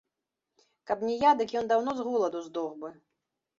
Каб не я, дык ён даўно з голаду здох бы.